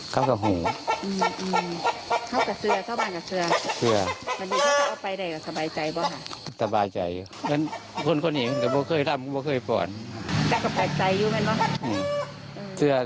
แต่ก็สบายใจอีกมั้ยเนาะ